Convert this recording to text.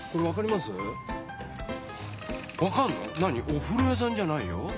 おふろやさんじゃないよ。